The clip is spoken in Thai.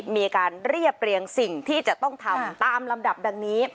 มีการเรียบเรียงสิ่งที่จะต้องทำตามลำดับดังนี้